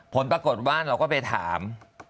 ผลปรากฏว่าเราก็ไปถาม